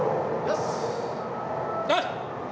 よし！